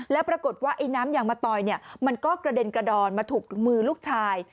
แล้วปรากฏว่าไอ้น้ำยางมะตอยมันก็กระเด็นกระดอนมาถูกมือลูกชาย